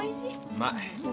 うまい。